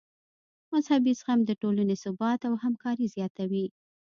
مذهبي زغم د ټولنې ثبات او همکاري زیاتوي.